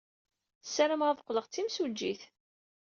Ssarameɣ ad qqleɣ d timsujjit.